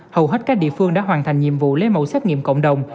hầu hết các địa phương đã hoàn thành nhiệm vụ lấy mẫu xét nghiệm cộng đồng